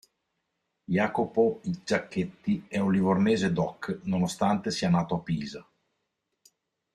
Jacopo Giachetti è un livornese doc nonostante sia nato a Pisa.